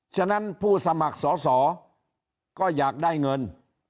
ฉะนั้นผู้สมัครสอสอก็อยากได้เงิน